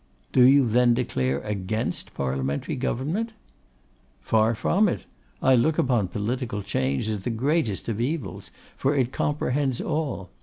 'Do you then declare against Parliamentary government.' 'Far from it: I look upon political change as the greatest of evils, for it comprehends all.